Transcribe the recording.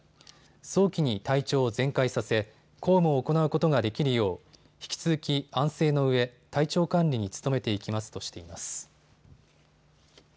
早期に体調を全快させ、公務を行うことができるよう引き続き安静のうえ体調管理に努めていきますとしています。